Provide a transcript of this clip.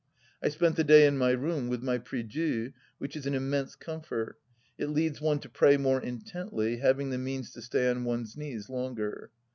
I spent the day in my room with my prie Dieu (which is an immense comfort. It leads one to pray more intently, having the means to stay on one's knees longer).